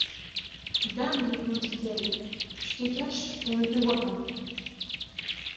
Dame! répondit-elle, tu te caches, on ne te voit pas.